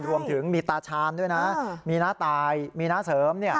รวมถึงมีตาชาญด้วยนะมีน้าตายมีน้าเสริม